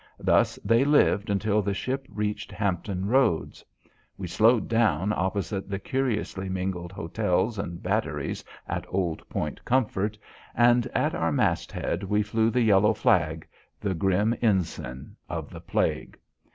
Thus they lived until the ship reached Hampton Roads. We slowed down opposite the curiously mingled hotels and batteries at Old Point Comfort, and at our mast head we flew the yellow flag, the grim ensign of the plague.